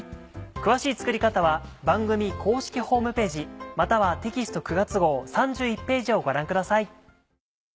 詳しい作り方は番組公式ホームページまたはテキスト９月号３１ページをご覧ください。